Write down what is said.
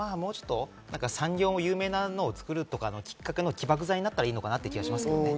産業も有名なのを作るとか、きっかけの起爆剤になったらいいかなと思います。